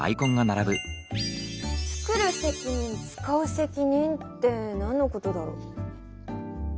「つくる責任つかう責任」って何のことだろ？